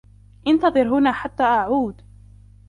إنتظر هنا حتى أعود.